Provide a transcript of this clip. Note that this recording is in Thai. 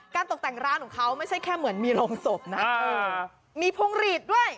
ตกแต่งร้านของเขาไม่ใช่แค่เหมือนมีโรงศพนะมีพวงหลีดด้วย